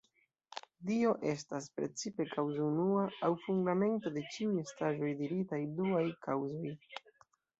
Dio estas precipe "kaŭzo unua", aŭ fundamento de ĉiuj estaĵoj diritaj "duaj kaŭzoj”.